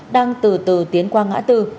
đang từ từ tiến qua ngã tư